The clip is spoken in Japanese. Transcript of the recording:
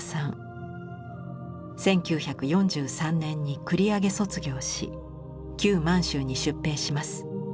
１９４３年に繰り上げ卒業し旧満州に出兵します。